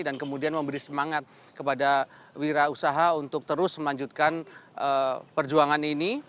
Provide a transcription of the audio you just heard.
dan kemudian memberi semangat kepada wira usaha untuk terus melanjutkan perjuangan ini